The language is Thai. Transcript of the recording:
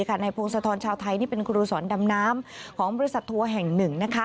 พงศธรชาวไทยนี่เป็นครูสอนดำน้ำของบริษัททัวร์แห่งหนึ่ง